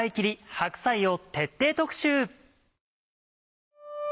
白菜を徹底特集。